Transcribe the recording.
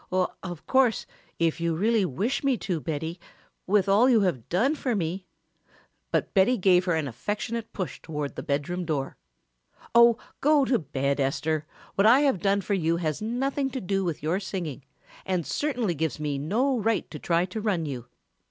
"Of course if you really wish me to, Betty, with all you have done for me " But Betty gave her an affectionate push toward the bedroom door. "Oh, go to bed, Esther, what I have done for you has nothing to do with your singing and certainly gives me no right to try to run you.